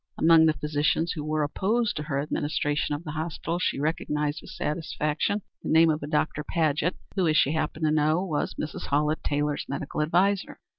Among the physicians who were opposed to her administration of the hospital she recognized with satisfaction the name of a Dr. Paget, who, as she happened to know, was Mrs. Hallett Taylor's medical adviser.